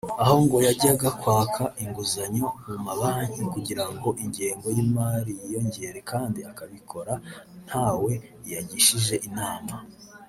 aho ngo yajyaga kwaka inguzanyo mu mabanki kugirango ingengo y’imari yiyongere kandi akabikora ntawe yagishije inama